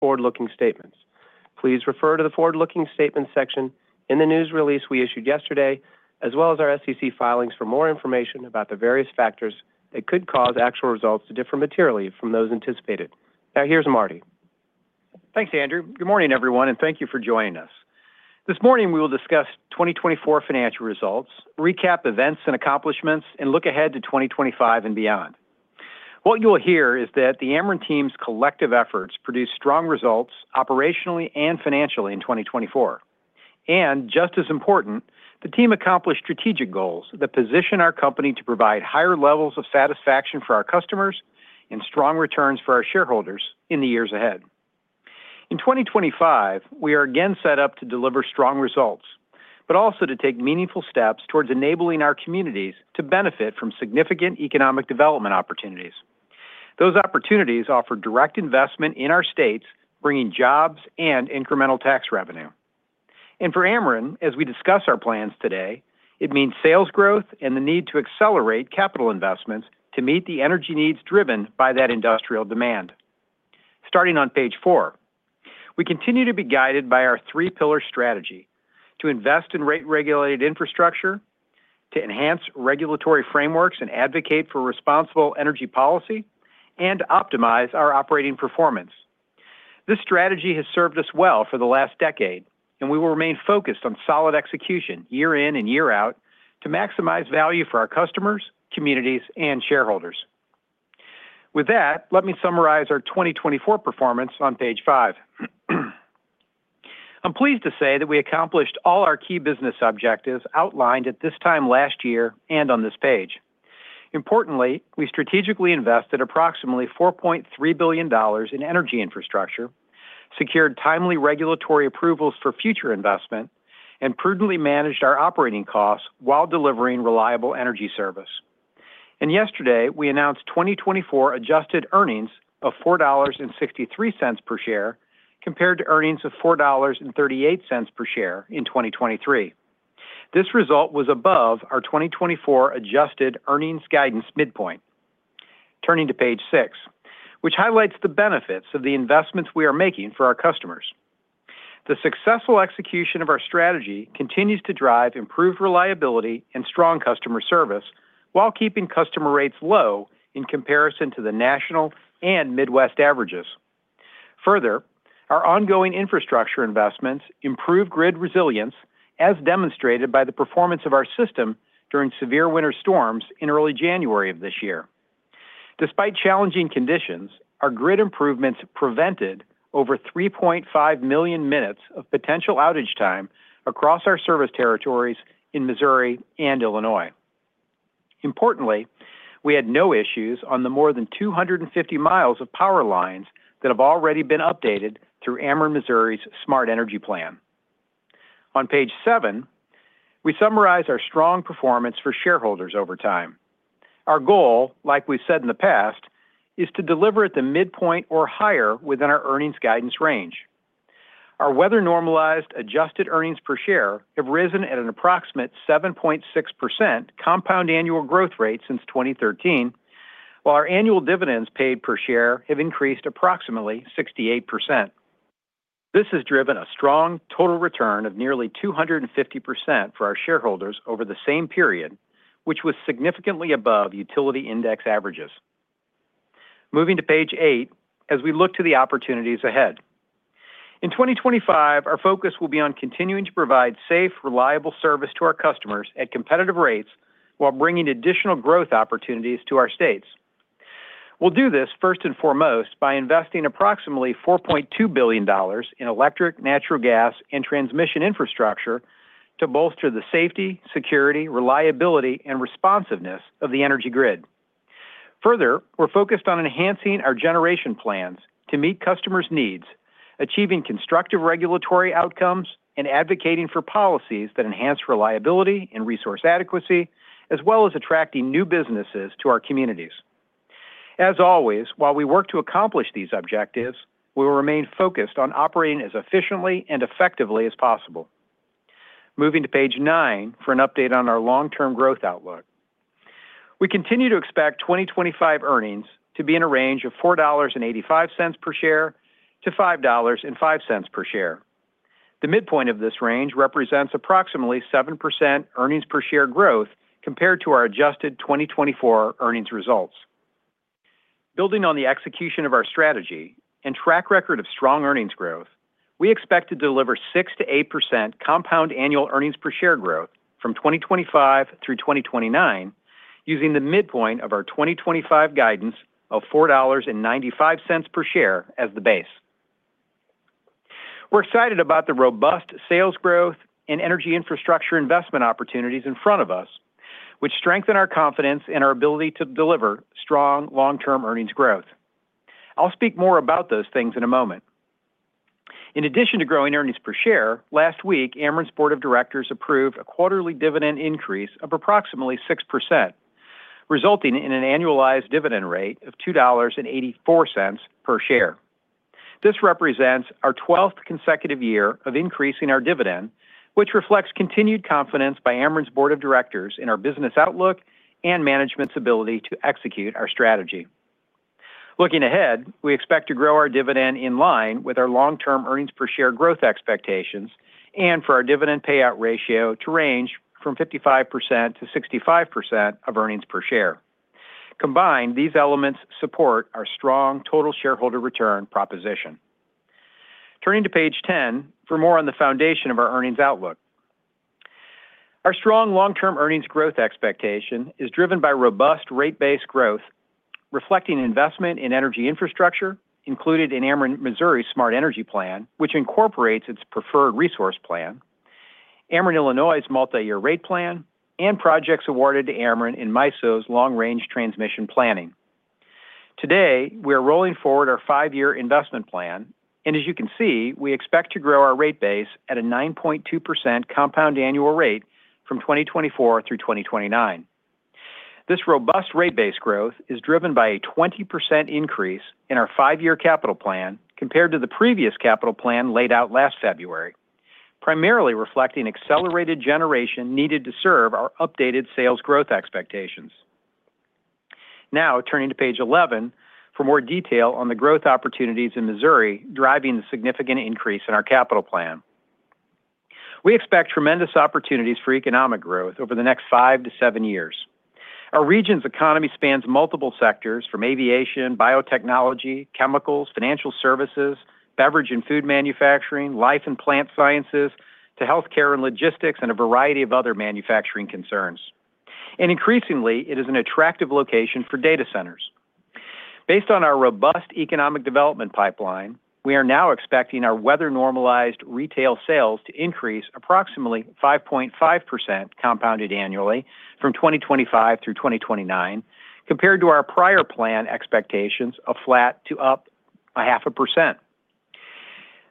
Forward-looking statements. Please refer to the forward-looking statements section in the news release we issued yesterday, as well as our SEC filings for more information about the various factors that could cause actual results to differ materially from those anticipated. Now, here's Marty. Thanks, Andrew. Good morning, everyone, and thank you for joining us. This morning, we will discuss 2024 financial results, recap events and accomplishments, and look ahead to 2025 and beyond. What you'll hear is that the Ameren team's collective efforts produced strong results operationally and financially in 2024. And, just as important, the team accomplished strategic goals that position our company to provide higher levels of satisfaction for our customers and strong returns for our shareholders in the years ahead. In 2025, we are again set up to deliver strong results, but also to take meaningful steps towards enabling our communities to benefit from significant economic development opportunities. Those opportunities offer direct investment in our states, bringing jobs and incremental tax revenue. For Ameren, as we discuss our plans today, it means sales growth and the need to accelerate capital investments to meet the energy needs driven by that industrial demand. Starting on page four, we continue to be guided by our three-pillar strategy to invest in rate-regulated infrastructure, to enhance regulatory frameworks and advocate for responsible energy policy, and optimize our operating performance. This strategy has served us well for the last decade, and we will remain focused on solid execution year in and year out to maximize value for our customers, communities, and shareholders. With that, let me summarize our 2024 performance on page five. I'm pleased to say that we accomplished all our key business objectives outlined at this time last year and on this page. Importantly, we strategically invested approximately $4.3 billion in energy infrastructure, secured timely regulatory approvals for future investment, and prudently managed our operating costs while delivering reliable energy service. And yesterday, we announced 2024 adjusted earnings of $4.63 per share compared to earnings of $4.38 per share in 2023. This result was above our 2024 adjusted earnings guidance midpoint. Turning to page six, which highlights the benefits of the investments we are making for our customers. The successful execution of our strategy continues to drive improved reliability and strong customer service while keeping customer rates low in comparison to the national and Midwest averages. Further, our ongoing infrastructure investments improve grid resilience, as demonstrated by the performance of our system during severe winter storms in early January of this year. Despite challenging conditions, our grid improvements prevented over 3.5 million minutes of potential outage time across our service territories in Missouri and Illinois. Importantly, we had no issues on the more than 250 miles of power lines that have already been updated through Ameren Missouri's Smart Energy Plan. On page seven, we summarize our strong performance for shareholders over time. Our goal, like we've said in the past, is to deliver at the midpoint or higher within our earnings guidance range. Our weather-normalized adjusted earnings per share have risen at an approximate 7.6% compound annual growth rate since 2013, while our annual dividends paid per share have increased approximately 68%. This has driven a strong total return of nearly 250% for our shareholders over the same period, which was significantly above utility index averages. Moving to page eight, as we look to the opportunities ahead. In 2025, our focus will be on continuing to provide safe, reliable service to our customers at competitive rates while bringing additional growth opportunities to our states. We'll do this first and foremost by investing approximately $4.2 billion in electric, natural gas, and transmission infrastructure to bolster the safety, security, reliability, and responsiveness of the energy grid. Further, we're focused on enhancing our generation plans to meet customers' needs, achieving constructive regulatory outcomes, and advocating for policies that enhance reliability and resource adequacy, as well as attracting new businesses to our communities. As always, while we work to accomplish these objectives, we will remain focused on operating as efficiently and effectively as possible. Moving to page nine for an update on our long-term growth outlook. We continue to expect 2025 earnings to be in a range of $4.85-$5.05 per share. The midpoint of this range represents approximately 7% earnings per share growth compared to our adjusted 2024 earnings results. Building on the execution of our strategy and track record of strong earnings growth, we expect to deliver 6%-8% compound annual earnings per share growth from 2025 through 2029 using the midpoint of our 2025 guidance of $4.95 per share as the base. We're excited about the robust sales growth and energy infrastructure investment opportunities in front of us, which strengthen our confidence in our ability to deliver strong long-term earnings growth. I'll speak more about those things in a moment. In addition to growing earnings per share, last week, Ameren's board of directors approved a quarterly dividend increase of approximately 6%, resulting in an annualized dividend rate of $2.84 per share. This represents our 12th consecutive year of increasing our dividend, which reflects continued confidence by Ameren's board of directors in our business outlook and management's ability to execute our strategy. Looking ahead, we expect to grow our dividend in line with our long-term earnings per share growth expectations and for our dividend payout ratio to range from 55% to 65% of earnings per share. Combined, these elements support our strong total shareholder return proposition. Turning to page 10 for more on the foundation of our earnings outlook. Our strong long-term earnings growth expectation is driven by robust rate based growth reflecting investment in energy infrastructure included in Ameren Missouri's Smart Energy Plan, which incorporates its Preferred Resource Plan, Ameren Illinois' Multi-Year Rate Plan, and projects awarded to Ameren in MISO's Long-Range Transmission Planning. Today, we are rolling forward our five-year investment plan, and as you can see, we expect to grow our rate base at a 9.2% compound annual rate from 2024 through 2029. This robust rate based growth is driven by a 20% increase in our five-year capital plan compared to the previous capital plan laid out last February, primarily reflecting accelerated generation needed to serve our updated sales growth expectations. Now, turning to page 11 for more detail on the growth opportunities in Missouri driving the significant increase in our capital plan. We expect tremendous opportunities for economic growth over the next five to seven years. Our region's economy spans multiple sectors from aviation, biotechnology, chemicals, financial services, beverage and food manufacturing, life and plant sciences, to healthcare and logistics, and a variety of other manufacturing concerns, and increasingly, it is an attractive location for data centers. Based on our robust economic development pipeline, we are now expecting our weather-normalized retail sales to increase approximately 5.5% compounded annually from 2025 through 2029, compared to our prior plan expectations of flat to up 0.5%.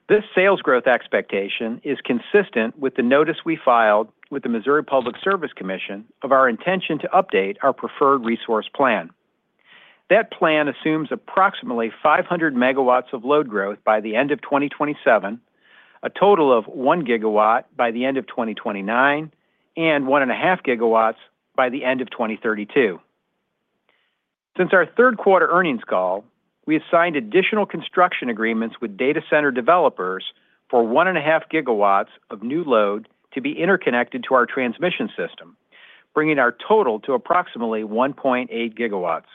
This sales growth expectation is consistent with the notice we filed with the Missouri Public Service Commission of our intention to update our Preferred Resource Plan. That plan assumes approximately 500 megawatts of load growth by the end of 2027, a total of one gigawatt by the end of 2029, and 1.5 gigawatts by the end of 2032. Since our third quarter earnings call, we assigned additional construction agreements with data center developers for 1.5 gigawatts of new load to be interconnected to our transmission system, bringing our total to approximately 1.8 gigawatts.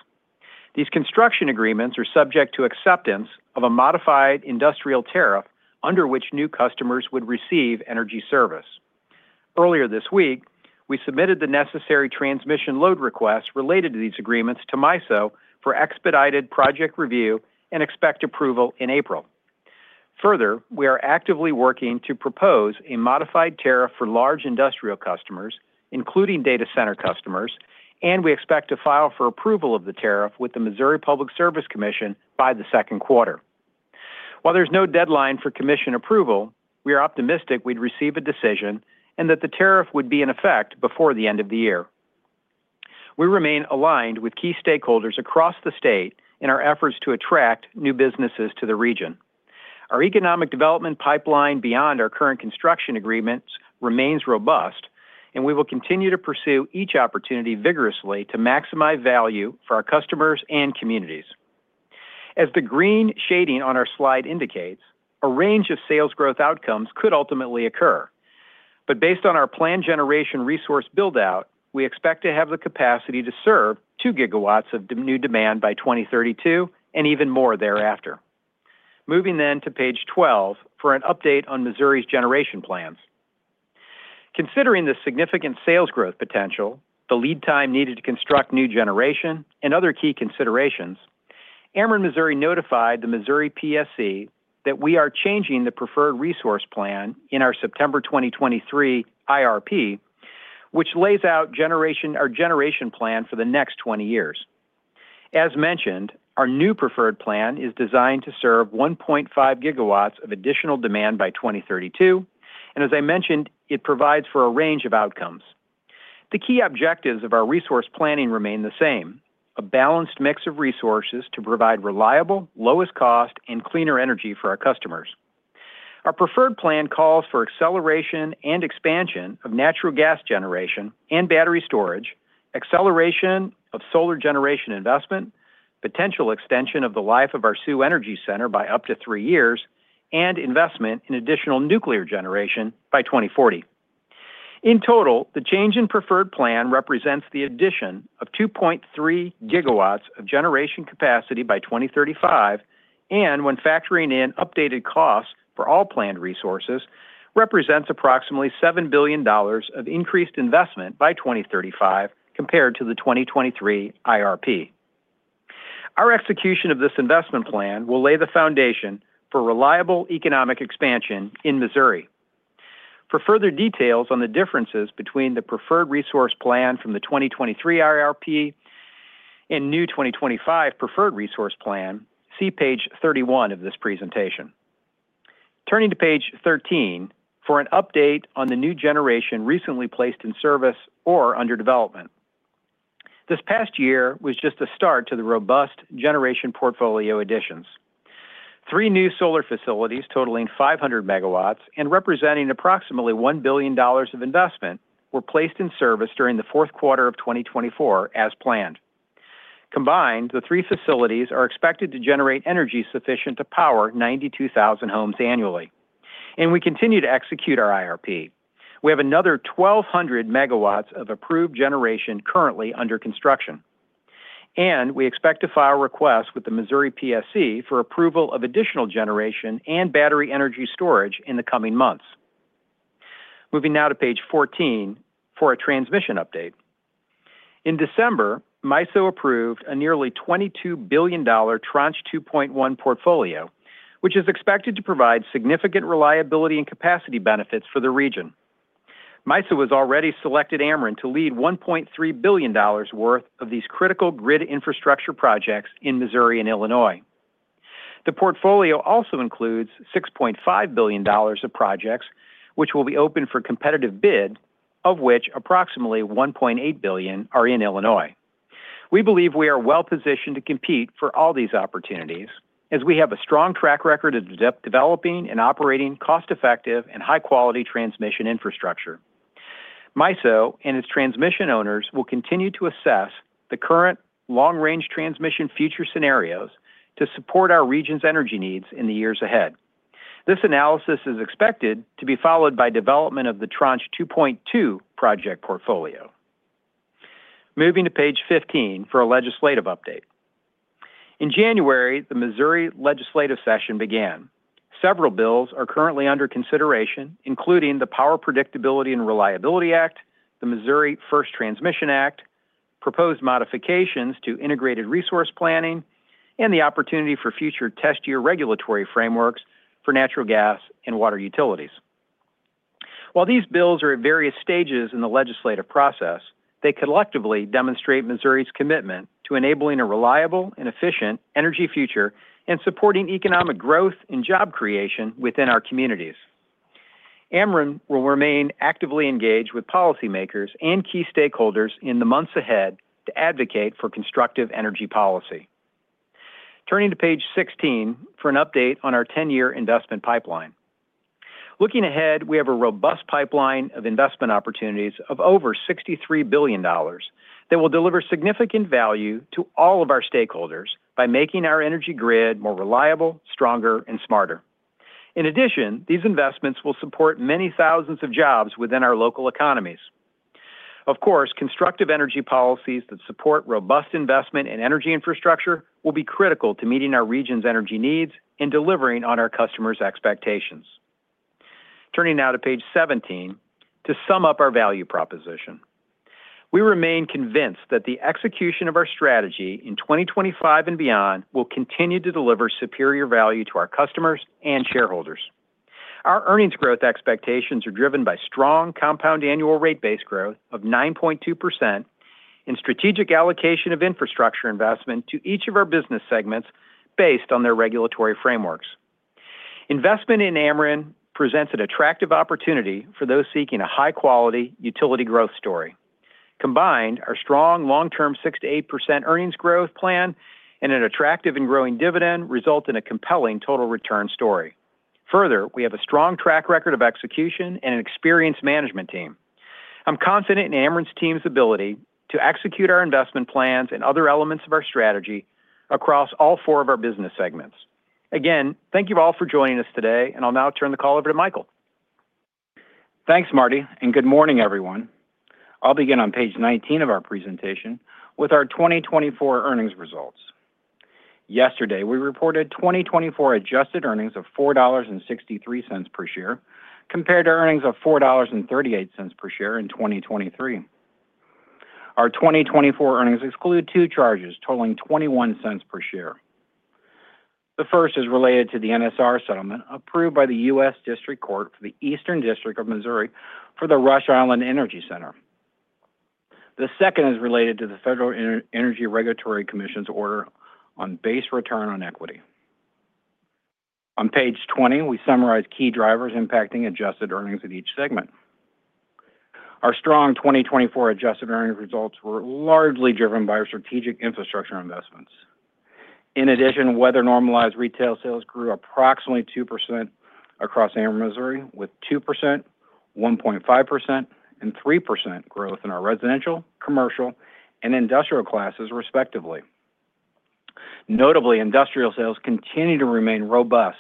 These construction agreements are subject to acceptance of a modified industrial tariff under which new customers would receive energy service. Earlier this week, we submitted the necessary transmission load requests related to these agreements to MISO for expedited project review and expect approval in April. Further, we are actively working to propose a modified tariff for large industrial customers, including data center customers, and we expect to file for approval of the tariff with the Missouri Public Service Commission by the second quarter. While there's no deadline for commission approval, we are optimistic we'd receive a decision and that the tariff would be in effect before the end of the year. We remain aligned with key stakeholders across the state in our efforts to attract new businesses to the region. Our economic development pipeline beyond our current construction agreements remains robust, and we will continue to pursue each opportunity vigorously to maximize value for our customers and communities. As the green shading on our slide indicates, a range of sales growth outcomes could ultimately occur. But based on our planned generation resource buildout, we expect to have the capacity to serve 2 gigawatts of new demand by 2032 and even more thereafter. Moving then to page 12 for an update on Missouri's generation plans. Considering the significant sales growth potential, the lead time needed to construct new generation, and other key considerations, Ameren Missouri notified the Missouri PSC that we are changing the preferred resource plan in our September 2023 IRP, which lays out our generation plan for the next 20 years. As mentioned, our new preferred plan is designed to serve 1.5 gigawatts of additional demand by 2032, and as I mentioned, it provides for a range of outcomes. The key objectives of our resource planning remain the same: a balanced mix of resources to provide reliable, lowest cost, and cleaner energy for our customers. Our preferred plan calls for acceleration and expansion of natural gas generation and battery storage, acceleration of solar generation investment, potential extension of the life of our Sioux Energy Center by up to three years, and investment in additional nuclear generation by 2040. In total, the change in preferred plan represents the addition of 2.3 gigawatts of generation capacity by 2035, and when factoring in updated costs for all planned resources, represents approximately $7 billion of increased investment by 2035 compared to the 2023 IRP. Our execution of this investment plan will lay the foundation for reliable economic expansion in Missouri. For further details on the differences between the preferred resource plan from the 2023 IRP and new 2025 preferred resource plan, see page 31 of this presentation. Turning to page 13 for an update on the new generation recently placed in service or under development. This past year was just a start to the robust generation portfolio additions. Three new solar facilities totaling 500 megawatts and representing approximately $1 billion of investment were placed in service during the fourth quarter of 2024 as planned. Combined, the three facilities are expected to generate energy sufficient to power 92,000 homes annually, and we continue to execute our IRP. We have another 1,200 megawatts of approved generation currently under construction. And we expect to file requests with the Missouri PSC for approval of additional generation and battery energy storage in the coming months. Moving now to page 14 for a transmission update. In December, MISO approved a nearly $22 billion tranche 2.1 portfolio, which is expected to provide significant reliability and capacity benefits for the region. MISO has already selected Ameren to lead $1.3 billion worth of these critical grid infrastructure projects in Missouri and Illinois. The portfolio also includes $6.5 billion of projects, which will be open for competitive bid, of which approximately $1.8 billion are in Illinois. We believe we are well positioned to compete for all these opportunities as we have a strong track record of developing and operating cost-effective and high-quality transmission infrastructure. MISO and its transmission owners will continue to assess the current long-range transmission future scenarios to support our region's energy needs in the years ahead. This analysis is expected to be followed by development of the Tranche 2.2 project portfolio. Moving to page 15 for a legislative update. In January, the Missouri legislative session began. Several bills are currently under consideration, including the Power Predictability and Reliability Act, the Missouri First Transmission Act, proposed modifications to integrated resource planning, and the opportunity for future test year regulatory frameworks for natural gas and water utilities. While these bills are at various stages in the legislative process, they collectively demonstrate Missouri's commitment to enabling a reliable and efficient energy future and supporting economic growth and job creation within our communities. Ameren will remain actively engaged with policymakers and key stakeholders in the months ahead to advocate for constructive energy policy. Turning to page 16 for an update on our 10-year investment pipeline. Looking ahead, we have a robust pipeline of investment opportunities of over $63 billion that will deliver significant value to all of our stakeholders by making our energy grid more reliable, stronger, and smarter. In addition, these investments will support many thousands of jobs within our local economies. Of course, constructive energy policies that support robust investment in energy infrastructure will be critical to meeting our region's energy needs and delivering on our customers' expectations. Turning now to page 17 to sum up our value proposition. We remain convinced that the execution of our strategy in 2025 and beyond will continue to deliver superior value to our customers and shareholders. Our earnings growth expectations are driven by strong compound annual rate based growth of 9.2% and strategic allocation of infrastructure investment to each of our business segments based on their regulatory frameworks. Investment in Ameren presents an attractive opportunity for those seeking a high-quality utility growth story. Combined, our strong long-term 6%-8% earnings growth plan and an attractive and growing dividend result in a compelling total return story. Further, we have a strong track record of execution and an experienced management team. I'm confident in Ameren's team's ability to execute our investment plans and other elements of our strategy across all four of our business segments. Again, thank you all for joining us today, and I'll now turn the call over to Michael. Thanks, Marty, and good morning, everyone. I'll begin on page 19 of our presentation with our 2024 earnings results. Yesterday, we reported 2024 adjusted earnings of $4.63 per share compared to earnings of $4.38 per share in 2023. Our 2024 earnings exclude two charges totaling $0.21 per share. The first is related to the NSR settlement approved by the U.S. District Court for the Eastern District of Missouri for the Rush Island Energy Center. The second is related to the Federal Energy Regulatory Commission's order on base return on equity. On page 20, we summarize key drivers impacting adjusted earnings at each segment. Our strong 2024 adjusted earnings results were largely driven by our strategic infrastructure investments. In addition, weather-normalized retail sales grew approximately 2% across Ameren Missouri, with 2%, 1.5%, and 3% growth in our residential, commercial, and industrial classes, respectively. Notably, industrial sales continue to remain robust,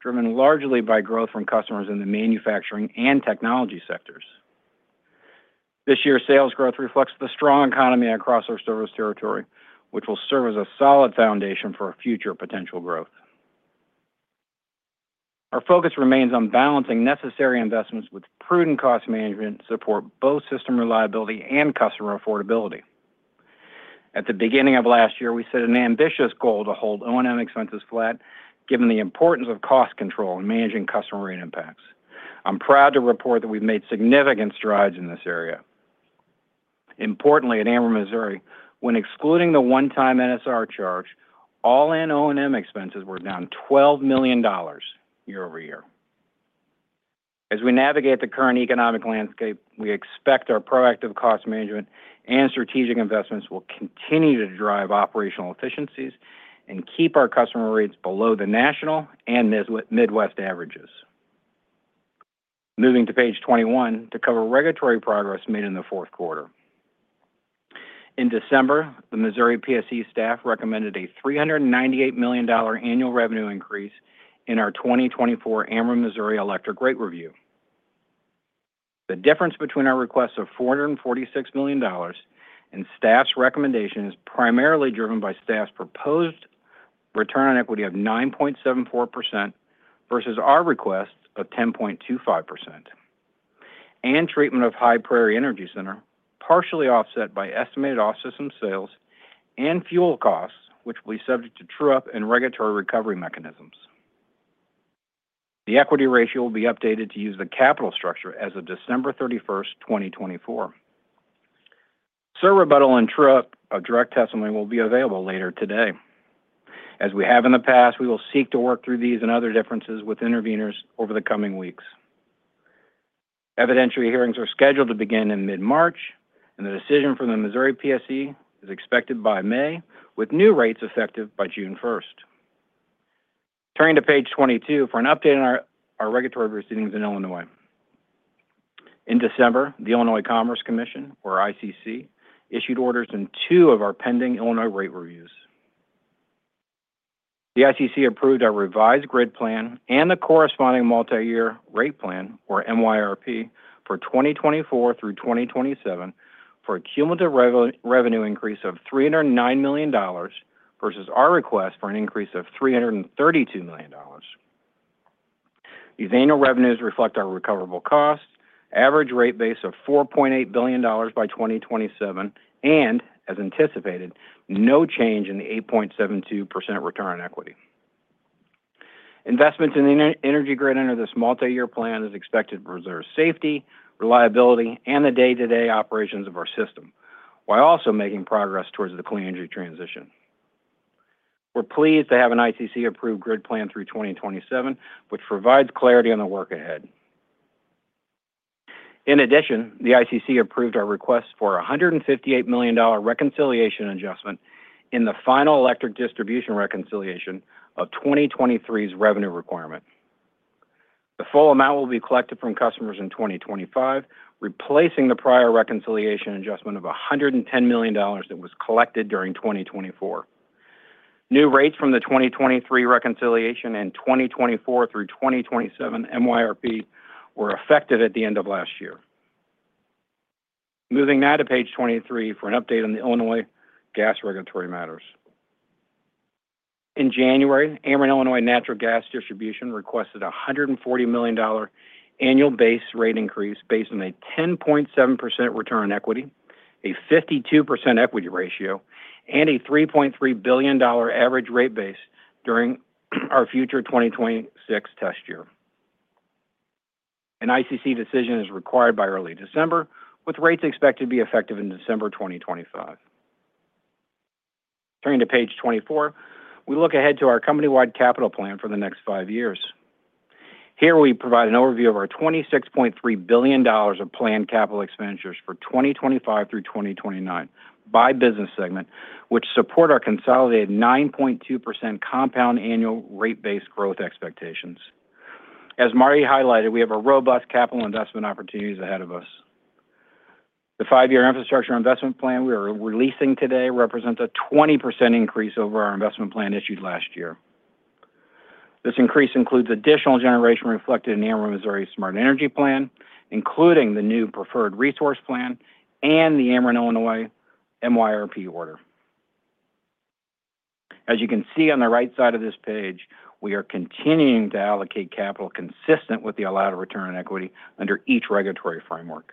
driven largely by growth from customers in the manufacturing and technology sectors. This year, sales growth reflects the strong economy across our service territory, which will serve as a solid foundation for future potential growth. Our focus remains on balancing necessary investments with prudent cost management to support both system reliability and customer affordability. At the beginning of last year, we set an ambitious goal to hold O&M expenses flat, given the importance of cost control in managing customer impacts. I'm proud to report that we've made significant strides in this area. Importantly, at Ameren Missouri, when excluding the one-time NSR charge, all in O&M expenses were down $12 million year over year. As we navigate the current economic landscape, we expect our proactive cost management and strategic investments will continue to drive operational efficiencies and keep our customer rates below the national and Midwest averages. Moving to page 21 to cover regulatory progress made in the fourth quarter. In December, the Missouri PSC staff recommended a $398 million annual revenue increase in our 2024 Ameren Missouri electric rate review. The difference between our request of $446 million and staff's recommendation is primarily driven by staff's proposed return on equity of 9.74% versus our request of 10.25%, and treatment of High Prairie Energy Center, partially offset by estimated off-system sales and fuel costs, which will be subject to true-up and regulatory recovery mechanisms. The equity ratio will be updated to use the capital structure as of December 31st, 2024. Rebuttal and True-Up, Direct Testimony, will be available later today. As we have in the past, we will seek to work through these and other differences with interveners over the coming weeks. Evidentiary hearings are scheduled to begin in mid-March, and the decision from the Missouri PSC is expected by May, with new rates effective by June 1st. Turning to page 22 for an update on our regulatory proceedings in Illinois. In December, the Illinois Commerce Commission, or ICC, issued orders in two of our pending Illinois rate reviews. The ICC approved our revised grid plan and the corresponding multi-year rate plan, or MYRP, for 2024 through 2027 for a cumulative revenue increase of $309 million versus our request for an increase of $332 million. These annual revenues reflect our recoverable cost, average rate base of $4.8 billion by 2027, and, as anticipated, no change in the 8.72% return on equity. Investments in the energy grid under this multi-year plan is expected to preserve safety, reliability, and the day-to-day operations of our system, while also making progress towards the clean energy transition. We're pleased to have an ICC-approved grid plan through 2027, which provides clarity on the work ahead. In addition, the ICC approved our request for a $158 million reconciliation adjustment in the final electric distribution reconciliation of 2023's revenue requirement. The full amount will be collected from customers in 2025, replacing the prior reconciliation adjustment of $110 million that was collected during 2024. New rates from the 2023 reconciliation and 2024 through 2027 MYRP were effective at the end of last year. Moving now to page 23 for an update on the Illinois gas regulatory matters. In January, Ameren Illinois Natural Gas Distribution requested a $140 million annual base rate increase based on a 10.7% return on equity, a 52% equity ratio, and a $3.3 billion average rate base during our future 2026 test year. An ICC decision is required by early December, with rates expected to be effective in December 2025. Turning to page 24, we look ahead to our company-wide capital plan for the next five years. Here, we provide an overview of our $26.3 billion of planned capital expenditures for 2025 through 2029 by business segment, which support our consolidated 9.2% compound annual rate based growth expectations. As Marty highlighted, we have robust capital investment opportunities ahead of us. The five-year infrastructure investment plan we are releasing today represents a 20% increase over our investment plan issued last year. This increase includes additional generation reflected in Ameren Missouri Smart Energy Plan, including the new preferred resource plan and the Ameren Illinois MYRP order. As you can see on the right side of this page, we are continuing to allocate capital consistent with the allowed return on equity under each regulatory framework.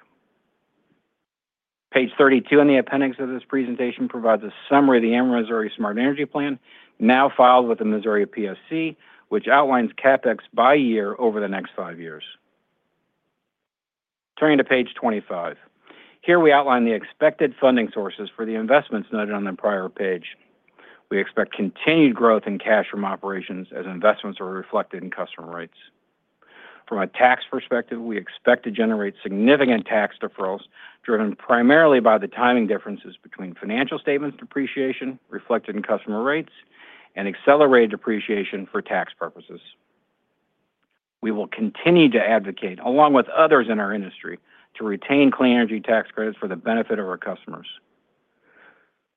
Page 32 in the appendix of this presentation provides a summary of the Ameren Missouri Smart Energy Plan now filed with the Missouri PSC, which outlines CapEx by year over the next five years. Turning to page 25, here we outline the expected funding sources for the investments noted on the prior page. We expect continued growth in cash from operations as investments are reflected in customer rates. From a tax perspective, we expect to generate significant tax deferrals driven primarily by the timing differences between financial statements depreciation reflected in customer rates and accelerated depreciation for tax purposes. We will continue to advocate, along with others in our industry, to retain clean energy tax credits for the benefit of our customers.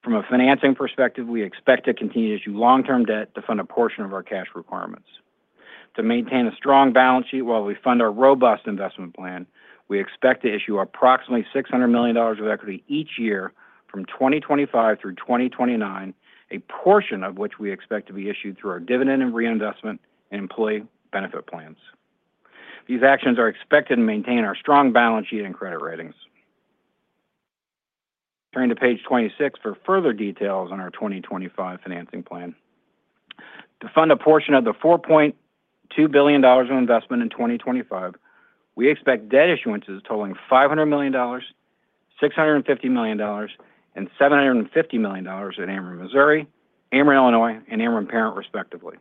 From a financing perspective, we expect to continue to issue long-term debt to fund a portion of our cash requirements. To maintain a strong balance sheet while we fund our robust investment plan, we expect to issue approximately $600 million of equity each year from 2025 through 2029, a portion of which we expect to be issued through our Dividend Reinvestment and employee benefit plans. These actions are expected to maintain our strong balance sheet and credit ratings. Turning to page 26 for further details on our 2025 financing plan. To fund a portion of the $4.2 billion of investment in 2025, we expect debt issuance totaling $500 million, $650 million, and $750 million at Ameren Missouri, Ameren Illinois, and Ameren Parent, respectively.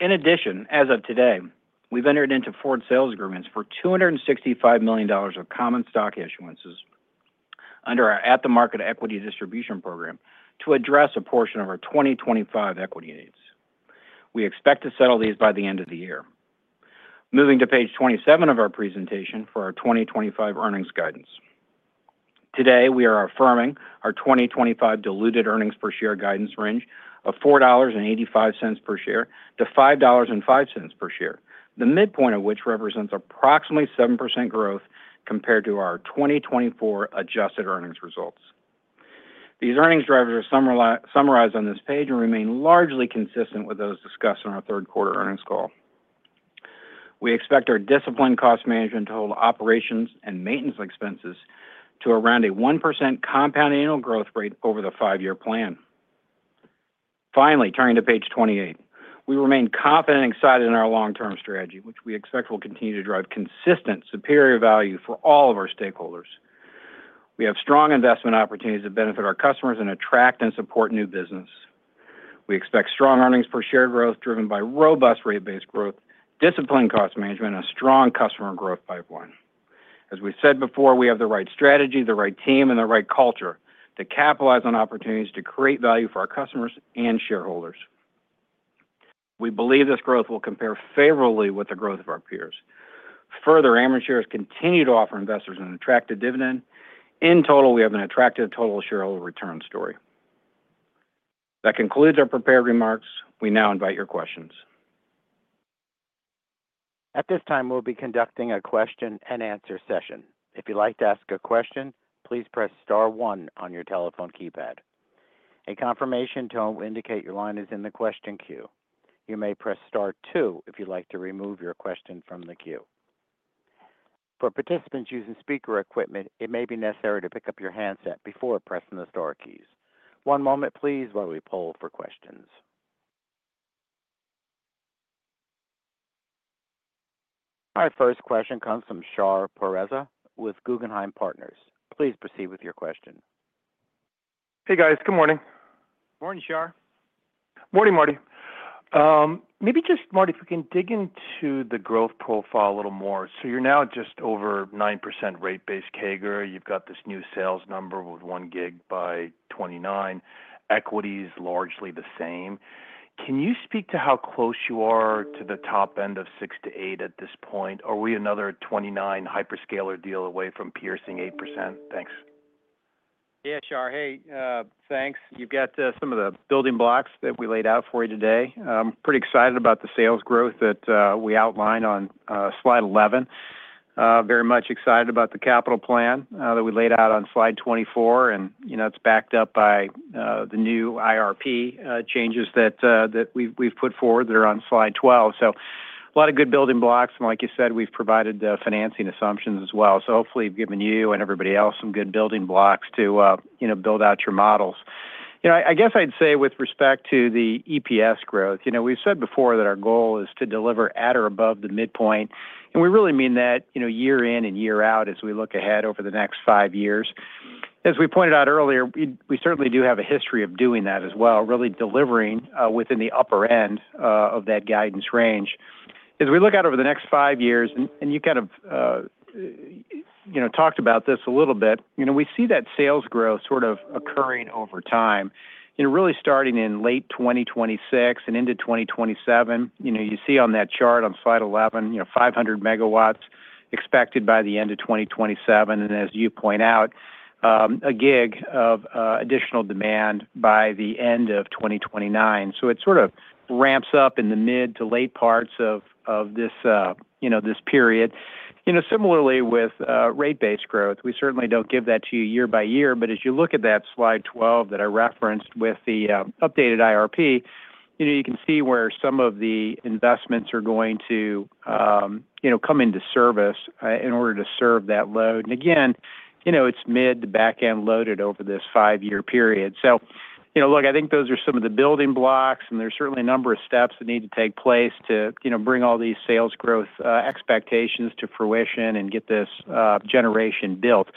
In addition, as of today, we've entered into forward sales agreements for $265 million of common stock issuances under our At-the-Market Equity Distribution Program to address a portion of our 2025 equity needs. We expect to settle these by the end of the year. Moving to page 27 of our presentation for our 2025 earnings guidance. Today, we are affirming our 2025 diluted earnings per share guidance range of $4.85-$5.05 per share, the midpoint of which represents approximately 7% growth compared to our 2024 adjusted earnings results. These earnings drivers are summarized on this page and remain largely consistent with those discussed in our third quarter earnings call. We expect our disciplined cost management to hold operations and maintenance expenses to around a 1% compound annual growth rate over the five-year plan. Finally, turning to page 28, we remain confident and excited in our long-term strategy, which we expect will continue to drive consistent superior value for all of our stakeholders. We have strong investment opportunities that benefit our customers and attract and support new business. We expect strong earnings per share growth driven by robust rate based growth, disciplined cost management, and a strong customer growth pipeline. As we said before, we have the right strategy, the right team, and the right culture to capitalize on opportunities to create value for our customers and shareholders. We believe this growth will compare favorably with the growth of our peers. Further, Ameren shares continue to offer investors an attractive dividend. In total, we have an attractive total shareholder return story. That concludes our prepared remarks. We now invite your questions. At this time, we'll be conducting a question-and-answer session. If you'd like to ask a question, please press Star 1 on your telephone keypad. A confirmation tone will indicate your line is in the question queue. You may press Star 2 if you'd like to remove your question from the queue. For participants using speaker equipment, it may be necessary to pick up your handset before pressing the Star keys. One moment, please, while we poll for questions. Our first question comes from Shar Pourreza with Guggenheim Partners. Please proceed with your question. Hey, guys. Good morning. Morning, Shar Pourreza. Morning, Marty. Maybe just, Marty, if we can dig into the growth profile a little more. So you're now just over 9% rate-based CAGR. You've got this new sales number with one gig by 2029. Equity is largely the same. Can you speak to how close you are to the top end of 6%-8% at this point? Are we another 2029 hyperscaler deal away from piercing 8%? Thanks. Yeah, Shahriar Pourreza. Hey, thanks. You've got some of the building blocks that we laid out for you today. I'm pretty excited about the sales growth that we outlined on slide 11. Very much excited about the capital plan that we laid out on slide 24. And it's backed up by the new IRP changes that we've put forward that are on slide 12. So a lot of good building blocks. And like you said, we've provided financing assumptions as well. So hopefully, we've given you and everybody else some good building blocks to build out your models. I guess I'd say with respect to the EPS growth, we've said before that our goal is to deliver at or above the midpoint. And we really mean that year in and year out as we look ahead over the next five years. As we pointed out earlier, we certainly do have a history of doing that as well, really delivering within the upper end of that guidance range. As we look out over the next five years, and you kind of talked about this a little bit, we see that sales growth sort of occurring over time, really starting in late 2026 and into 2027. You see on that chart on slide 11, 500 megawatts expected by the end of 2027, and as you point out, a gig of additional demand by the end of 2029, so it sort of ramps up in the mid to late parts of this period. Similarly, with rate based growth, we certainly don't give that to you year by year, but as you look at that slide 12 that I referenced with the updated IRP, you can see where some of the investments are going to come into service in order to serve that load, and again, it's mid to back-end loaded over this five-year period. So look, I think those are some of the building blocks. And there's certainly a number of steps that need to take place to bring all these sales growth expectations to fruition and get this generation built.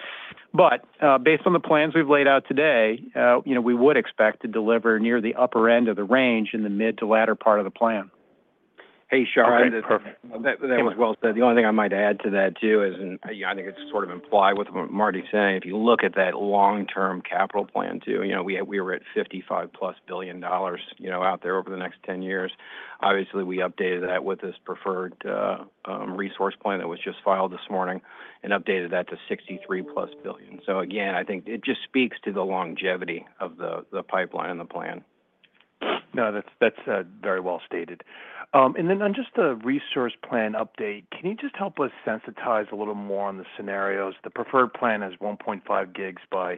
But based on the plans we've laid out today, we would expect to deliver near the upper end of the range in the mid to latter part of the plan. Hey, Shar. That was well said. The only thing I might add to that too is I think it's sort of implied with what Marty's saying. If you look at that long-term capital plan too, we were at $55-plus billion out there over the next 10 years. Obviously, we updated that with this preferred resource plan that was just filed this morning and updated that to $63-plus billion. So again, I think it just speaks to the longevity of the pipeline and the plan. No, that's very well stated. And then on just the resource plan update, can you just help us sensitize a little more on the scenarios? The preferred plan is 1.5 gigs by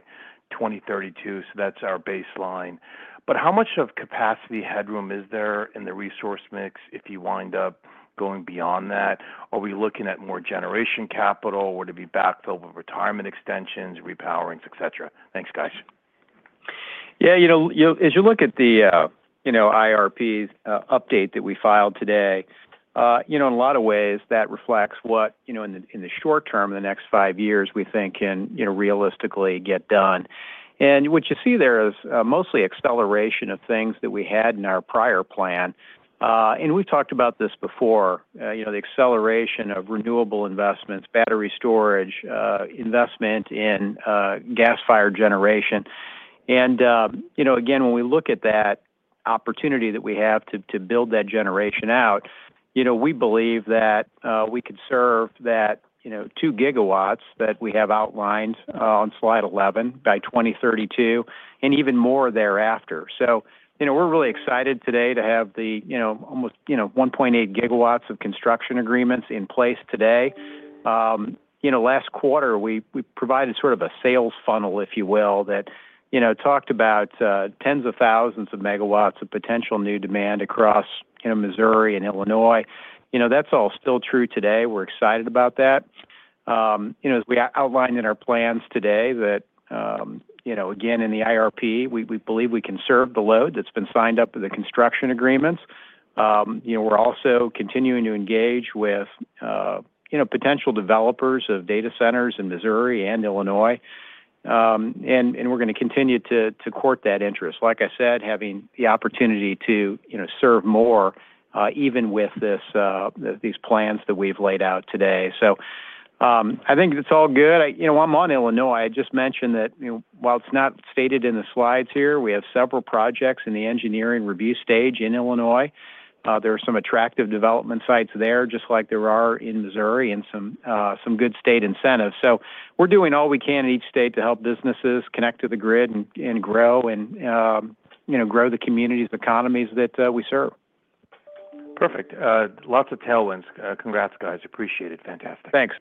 2032. So that's our baseline. But how much of capacity headroom is there in the resource mix if you wind up going beyond that? Are we looking at more generation capital, or do we backfill with retirement extensions, repowerings, etc.? Thanks, guys. Yeah, as you look at the IRP update that we filed today, in a lot of ways, that reflects what, in the short term, in the next five years, we think can realistically get done. And what you see there is mostly acceleration of things that we had in our prior plan. And we've talked about this before, the acceleration of renewable investments, battery storage, investment in gas fired generation. And again, when we look at that opportunity that we have to build that generation out, we believe that we could serve that two gigawatts that we have outlined on slide 11 by 2032 and even more thereafter. So we're really excited today to have the almost 1.8 gigawatts of construction agreements in place today. Last quarter, we provided sort of a sales funnel, if you will, that talked about tens of thousands of megawatts of potential new demand across Missouri and Illinois. That's all still true today. We're excited about that. As we outlined in our plans today, that again, in the IRP, we believe we can serve the load that's been signed up with the construction agreements. We're also continuing to engage with potential developers of data centers in Missouri and Illinois. And we're going to continue to court that interest. Like I said, having the opportunity to serve more even with these plans that we've laid out today. So I think it's all good. I'm on Illinois. I just mentioned that while it's not stated in the slides here, we have several projects in the engineering review stage in Illinois. There are some attractive development sites there, just like there are in Missouri, and some good state incentives. So we're doing all we can in each state to help businesses connect to the grid and grow and grow the communities, the economies that we serve. Perfect. Lots of tailwinds. Congrats, guys. Appreciate it. Fantastic. Thanks.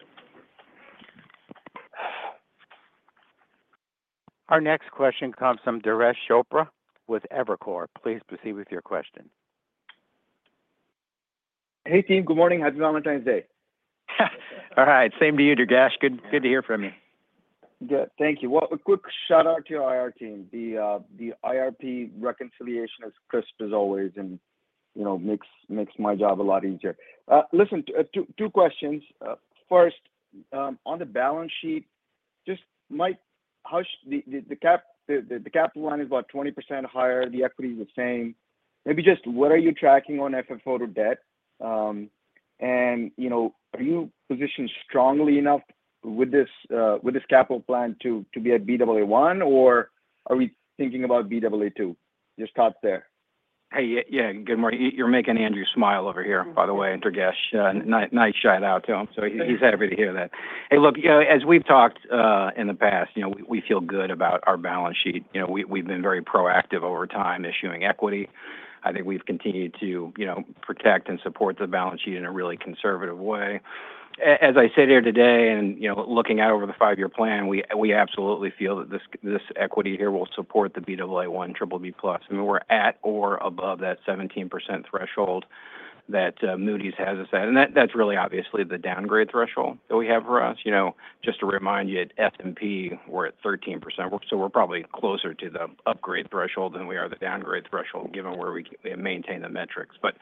Our next question comes from Durgesh Chopra with Evercore. Please proceed with your question. Hey, team. Good morning. Happy Valentine's Day. All right. Same to you, Durgesh. Good to hear from you. Good. Thank you. Well, a quick shout-out to our team. The IRP reconciliation is crisp as always and makes my job a lot easier. Listen, two questions. First, on the balance sheet, just Mike Moehn, the capital line is about 20% higher. The equity is the same. Maybe just what are you tracking on FFO to debt? And are you positioned strongly enough with this capital plan to be at Baa1, or are we thinking about Baa2? Just caught there. Hey, yeah. Good morning. You're making Andrew smile over here, by the way, and Durgesh. Nice shout-out to him. So he's happy to hear that. Hey, look, as we've talked in the past, we feel good about our balance sheet. We've been very proactive over time issuing equity. I think we've continued to protect and support the balance sheet in a really conservative way. As I said here today and looking out over the five-year plan, we absolutely feel that this equity here will support the Baa1, BBB+. I mean, we're at or above that 17% threshold that Moody's has us at. And that's really obviously the downgrade threshold that we have for us. Just to remind you, at S&P, we're at 13%. So we're probably closer to the upgrade threshold than we are the downgrade threshold, given where we maintain the metrics. But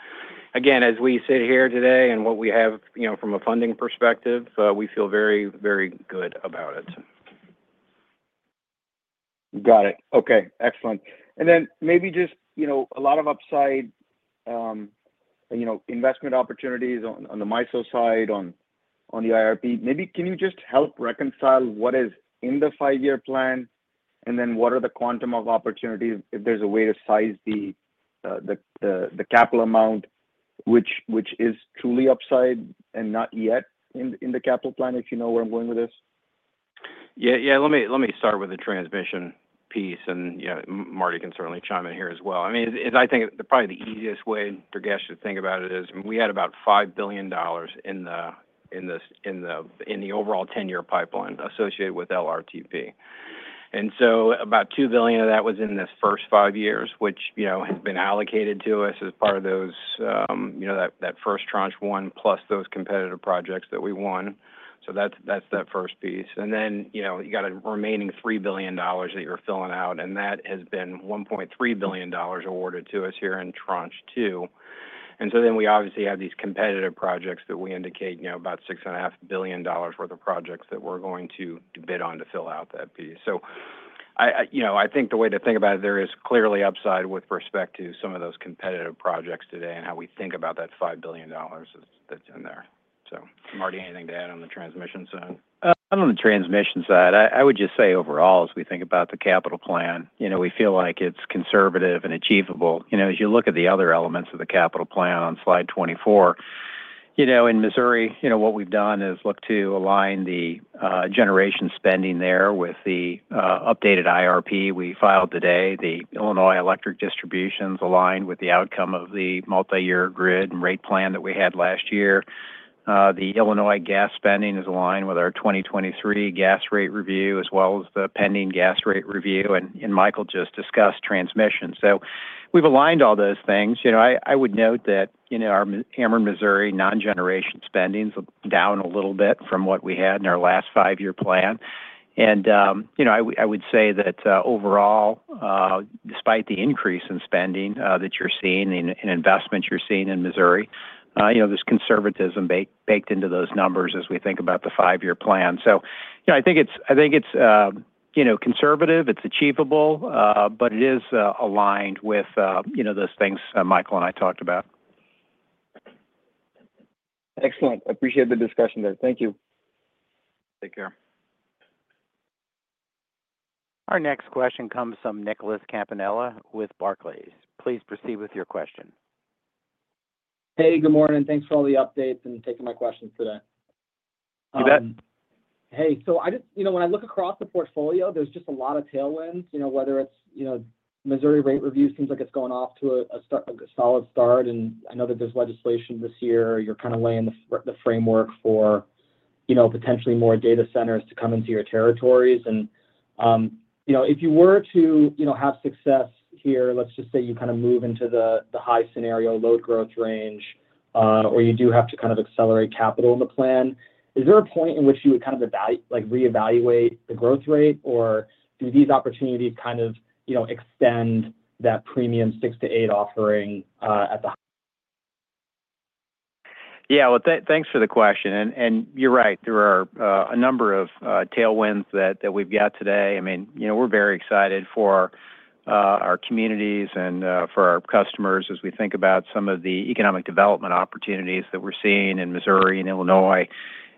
again, as we sit here today and what we have from a funding perspective, we feel very, very good about it. Got it. Okay. Excellent. And then maybe just a lot of upside investment opportunities on the MISO side, on the IRP. Maybe can you just help reconcile what is in the five-year plan and then what are the quantum of opportunities if there's a way to size the capital amount which is truly upside and not yet in the capital plan, if you know where I'm going with this? Yeah. Yeah. Let me start with the transmission piece, and Marty can certainly chime in here as well. I mean, I think probably the easiest way, Durgesh, to think about it is we had about $5 billion in the overall 10-year pipeline associated with LRTP. And so about $2 billion of that was in this first five years, which has been allocated to us as part of that first tranche one plus those competitive projects that we won. So that's that first piece, and then you got a remaining $3 billion that you're filling out. And that has been $1.3 billion awarded to us here in tranche two. And so then we obviously have these competitive projects that we indicate about $6.5 billion worth of projects that we're going to bid on to fill out that piece. So I think the way to think about it there is clearly upside with respect to some of those competitive projects today and how we think about that $5 billion that's in there. So Marty, anything to add on the transmission side? On the transmission side, I would just say overall, as we think about the capital plan, we feel like it's conservative and achievable. As you look at the other elements of the capital plan on slide 24, in Missouri, what we've done is look to align the generation spending there with the updated IRP we filed today. The Illinois Electric Distribution is aligned with the outcome of the multi-year grid and rate plan that we had last year. The Illinois gas spending is aligned with our 2023 gas rate review as well as the pending gas rate review. And Michael just discussed transmission. So we've aligned all those things. I would note that our Ameren Missouri non-generation spending is down a little bit from what we had in our last five-year plan. And I would say that overall, despite the increase in spending that you're seeing and investment you're seeing in Missouri, there's conservatism baked into those numbers as we think about the five-year plan. So I think it's conservative. It's achievable. But it is aligned with those things Michael and I talked about. Excellent. Appreciate the discussion there. Thank you. Take care. Our next question comes from Nicholas Campanella with Barclays. Please proceed with your question. Hey, good morning. Thanks for all the updates and taking my questions today. Hey, so I just when I look across the portfolio, there's just a lot of tailwinds. Whether it's Missouri rate review seems like it's going off to a solid start, and I know that there's legislation this year. You're kind of laying the framework for potentially more data centers to come into your territories. And if you were to have success here, let's just say you kind of move into the high scenario load growth range, or you do have to kind of accelerate capital in the plan, is there a point in which you would kind of reevaluate the growth rate, or do these opportunities kind of extend that premium six to eight offering at the high? Yeah. Well, thanks for the question, and you're right. There are a number of tailwinds that we've got today. I mean, we're very excited for our communities and for our customers as we think about some of the economic development opportunities that we're seeing in Missouri and Illinois,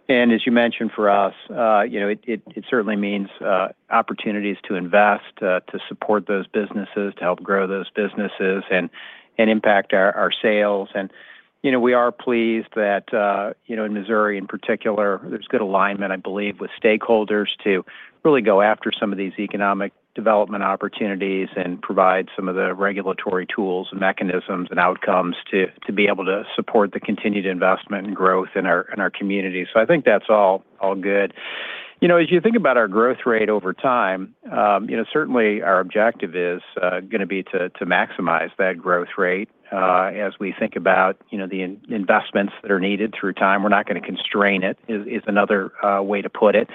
and as you mentioned, for us, it certainly means opportunities to invest, to support those businesses, to help grow those businesses, and impact our sales, and we are pleased that in Missouri, in particular, there's good alignment, I believe, with stakeholders to really go after some of these economic development opportunities and provide some of the regulatory tools and mechanisms and outcomes to be able to support the continued investment and growth in our community, so I think that's all good. As you think about our growth rate over time, certainly our objective is going to be to maximize that growth rate as we think about the investments that are needed through time. We're not going to constrain it, is another way to put it.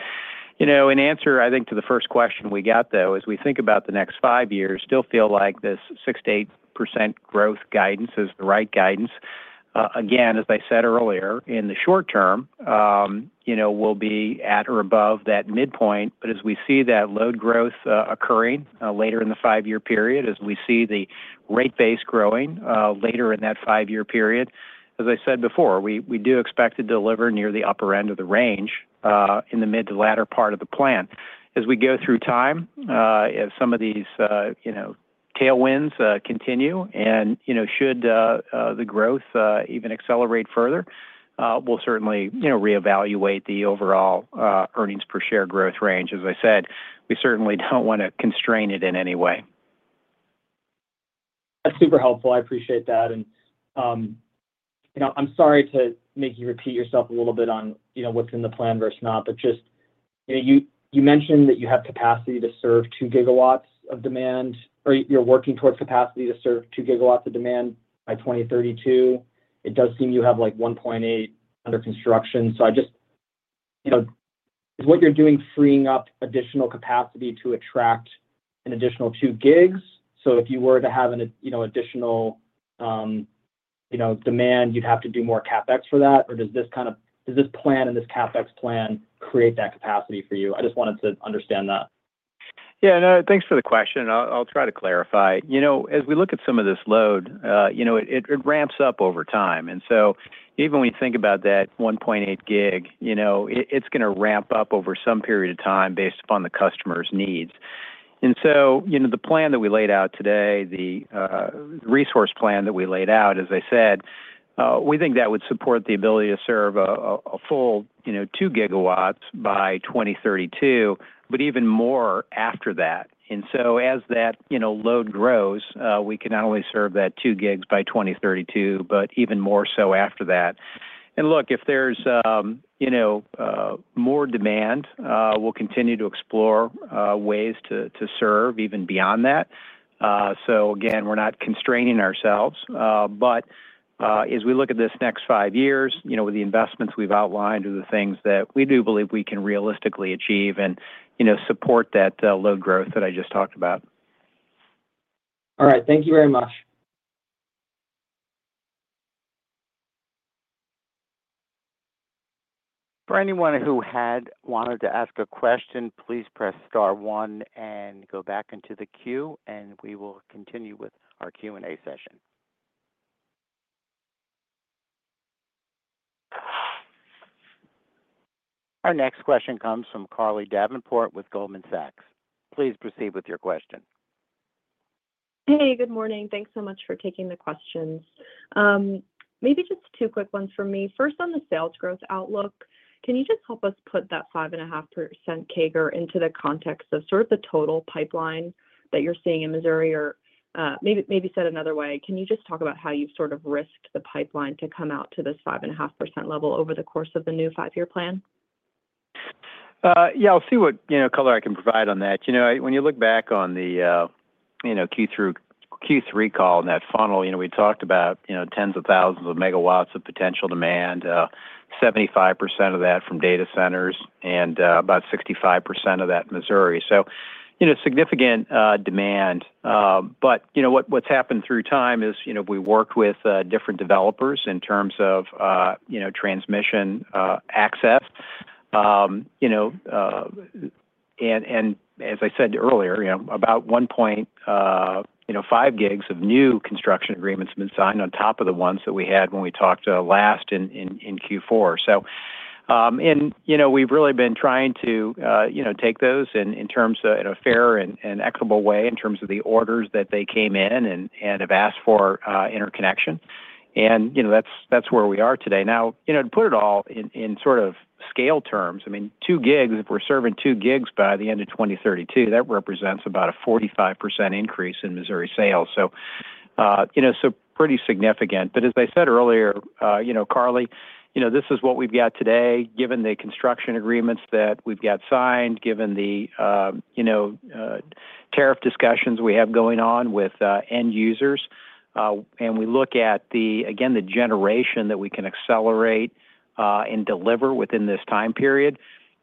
In answer, I think to the first question we got, though, as we think about the next five years, still feel like this 6%-8% growth guidance is the right guidance. Again, as I said earlier, in the short term, we'll be at or above that midpoint. But as we see that load growth occurring later in the five-year period, as we see the rate base growing later in that five-year period, as I said before, we do expect to deliver near the upper end of the range in the mid to latter part of the plan. As we go through time, if some of these tailwinds continue and should the growth even accelerate further, we'll certainly reevaluate the overall earnings per share growth range. As I said, we certainly don't want to constrain it in any way. That's super helpful. I appreciate that, and I'm sorry to make you repeat yourself a little bit on what's in the plan versus not, but just you mentioned that you have capacity to serve two gigawatts of demand, or you're working towards capacity to serve two gigawatts of demand by 2032. It does seem you have like 1.8 under construction, so I just, is what you're doing freeing up additional capacity to attract an additional two gigs? So if you were to have an additional demand, you'd have to do more CapEx for that, or does this kind of this plan and this CapEx plan create that capacity for you? I just wanted to understand that. Yeah. No, thanks for the question. I'll try to clarify. As we look at some of this load, it ramps up over time. And so even when you think about that 1.8 gig, it's going to ramp up over some period of time based upon the customer's needs. And so the plan that we laid out today, the resource plan that we laid out, as I said, we think that would support the ability to serve a full two gigawatts by 2032, but even more after that. And so as that load grows, we can not only serve that two gigs by 2032, but even more so after that. And look, if there's more demand, we'll continue to explore ways to serve even beyond that. So again, we're not constraining ourselves. But as we look at this next five years, with the investments we've outlined are the things that we do believe we can realistically achieve and support that load growth that I just talked about. All right. Thank you very much. For anyone who had wanted to ask a question, please press star one and go back into the queue, and we will continue with our Q&A session. Our next question comes from Carly Davenport with Goldman Sachs. Please proceed with your question. Hey, good morning. Thanks so much for taking the questions. Maybe just two quick ones for me. First, on the sales growth outlook, can you just help us put that 5.5% CAGR into the context of sort of the total pipeline that you're seeing in Missouri? Or maybe said another way, can you just talk about how you've sort of risked the pipeline to come out to this 5.5% level over the course of the new five-year plan? Yeah. I'll see what color I can provide on that. When you look back on the Q3 call, in that funnel, we talked about tens of thousands of megawatts of potential demand, 75% of that from data centers, and about 65% of that in Missouri. So significant demand. But what's happened through time is we've worked with different developers in terms of transmission access. And as I said earlier, about 1.5 gigs of new construction agreements have been signed on top of the ones that we had when we talked last in Q4. And we've really been trying to take those in a fair and equitable way in terms of the orders that they came in and have asked for interconnection. And that's where we are today. Now, to put it all in sort of scale terms, I mean, two gigs, if we're serving two gigs by the end of 2032, that represents about a 45% increase in Missouri sales. So pretty significant. But as I said earlier, Carly, this is what we've got today, given the construction agreements that we've got signed, given the tariff discussions we have going on with end users. And we look at, again, the generation that we can accelerate and deliver within this time period.